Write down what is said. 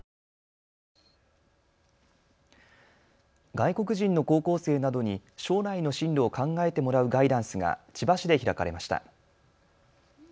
外国人の高校生などに将来の進路を考えてもらうガイダンスが千葉市で開かれました。